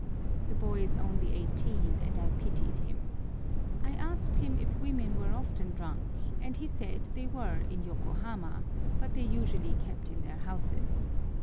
The boy is only eighteen, and I pitied him. I asked him if women were often drunk, and he said they were in Yokohama, but they usually kept in their houses.